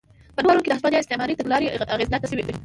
په نویو ښارونو کې د هسپانیا استعماري تګلارې اغېزناکې شوې.